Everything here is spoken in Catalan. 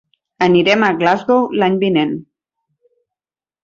Anirem a Glasgow l'any vinent.